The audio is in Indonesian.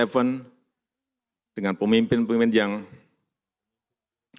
saya bertemu di g tujuh dengan pemimpin pemimpin yang hadir saat ini